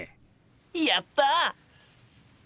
やった！